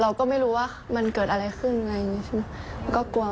เราก็ไม่รู้ว่ามันเกิดอะไรขึ้นอะไรอย่างเงี้ยใช่ไหมก็กลัวมาค่ะ